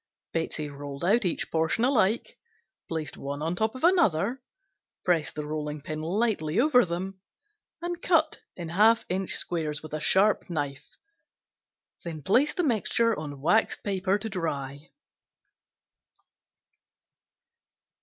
Betsey rolled out each portion alike, placed one on top of another, pressed the rolling pin lightly over them and cut in half inch squares with a sharp knife, then placed on waxed paper to dry.